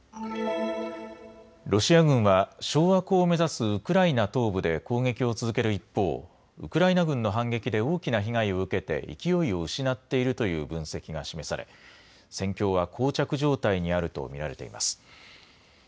ロシア軍は掌握を目指すウクライナ東部で攻撃を続ける一方、ウクライナ軍の反撃で大きな被害を受けて勢いを失っているという分析が示され戦況はこう着状態にあると見られています。